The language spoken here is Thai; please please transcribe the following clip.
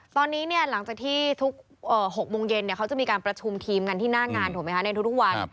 ตอนนี้เนี่ยหลังจากที่ทุก๖โมงเย็นเขาจะมีการประชุมทีมกันที่หน้างานถูกไหมคะในทุกวัน